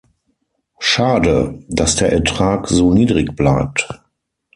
Schade, dass der Ertrag so niedrig bleibt.